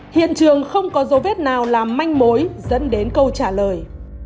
hiện trường không có dấu vết nào làm manh mối dẫn đến câu trả lời